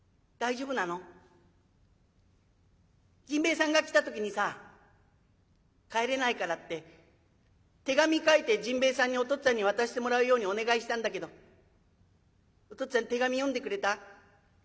甚兵衛さんが来た時にさ帰れないからって手紙書いて甚兵衛さんにお父っつぁんに渡してもらうようにお願いしたんだけどお父っつぁん手紙読んでくれた？